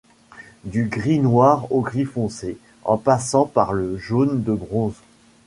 Du gris noir au gris foncé, en passant par le jaune de bronze.